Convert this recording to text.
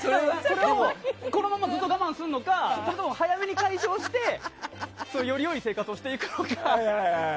このままずっと我慢するのかそれとも早めに解消してより良い生活をしていくのか。